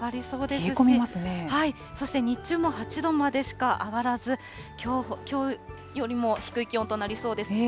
そして日中も８度までしか上がらず、きょうよりも低い気温となりそうです。